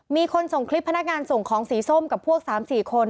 มีคนส่งคลิปพนักงานส่งของสีส้มกับพวก๓๔คน